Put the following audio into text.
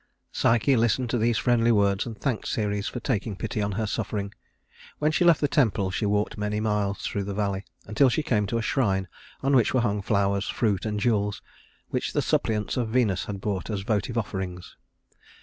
Psyche listened to these friendly words, and thanked Ceres for taking pity on her suffering. When she left the temple she walked many miles through the valley, until she came to a shrine on which were hung flowers, fruit, and jewels, which the suppliants of Venus had brought as votive offerings.